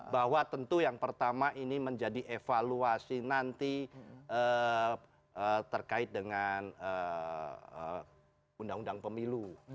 bahwa tentu yang pertama ini menjadi evaluasi nanti terkait dengan undang undang pemilu